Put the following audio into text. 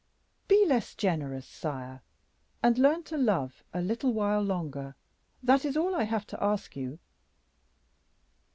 "Be less generous, sire, and learn to love a little while longer, that is all I have to ask you."